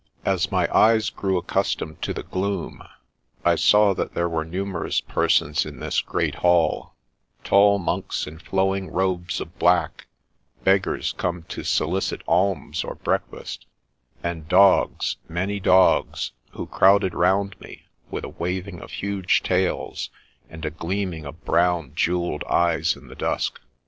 As my eyes grew accustomed to the gloom, I saw that there were numerous persons in this great hall : tall monks in flowing robes of black, beggars come to solicit alms or breakfast; and dogs, many dogs, who crowded round me, with a waving of huge tails, and a gleaming of brown jewelled eyes in the dusk.